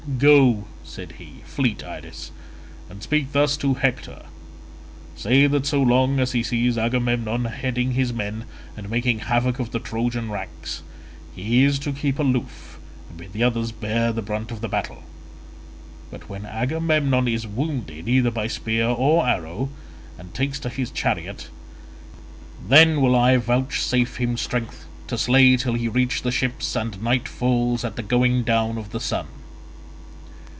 "Go," said he, "fleet Iris, and speak thus to Hector—say that so long as he sees Agamemnon heading his men and making havoc of the Trojan ranks, he is to keep aloof and bid the others bear the brunt of the battle, but when Agamemnon is wounded either by spear or arrow, and takes to his chariot, then will I vouchsafe him strength to slay till he reach the ships and night falls at the going down of the sun."